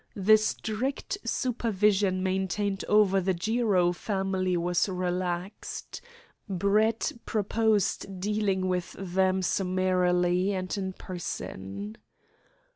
The strict supervision maintained over the Jiro family was relaxed. Brett proposed dealing with them summarily and in person.